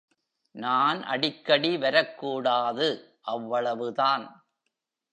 நான் அடிக்கடி வரக்கூடாது, அவ்வளவுதான்.